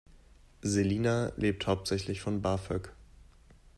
Selina lebt hauptsächlich von BAföG.